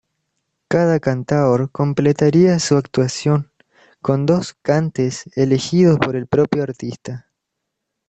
Cada cantaor completaría su actuación con dos cantes elegidos por el propio artista.